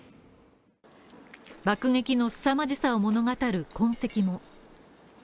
爆撃のすさまじさを物語る痕跡も。